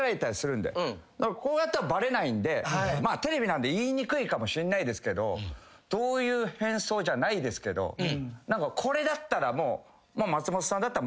こうやったらバレないんでテレビなんで言いにくいかもしんないですけどどういう変装じゃないですけどこれだったら松本さんだったら松本さんって分からないぞっていう。